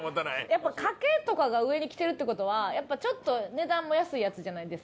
やっぱかけとかが上にきてるって事はちょっと値段も安いやつじゃないですか。